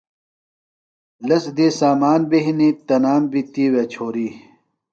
لس دی سامان بیۡ ہنِیۡ، تنام بیۡ تِیوے چھوریۡ